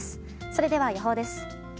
それでは予報です。